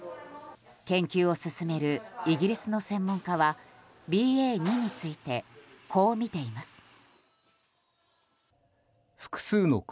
研究を進めるイギリスの専門家はＢＡ．２についてこう見ています。